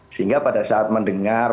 sehingga pada saat mendengar